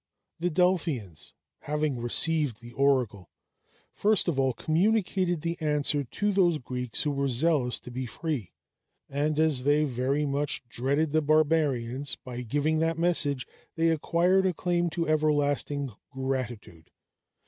The Delphians, having received the oracle, first of all communicated the answer to those Greeks who were zealous to be free; and as they very much dreaded the barbarians, by giving that message they acquired a claim to everlasting gratitude.